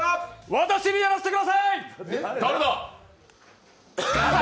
私にやらせてください！